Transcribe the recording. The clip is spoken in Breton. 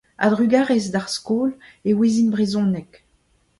A-drugarez d'ar skol e ouezin brezhoneg.